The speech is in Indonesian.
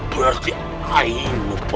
berarti aku lupa